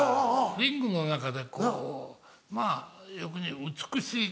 リングの中でこうまぁ美しい。